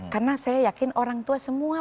karena saya yakin orang tua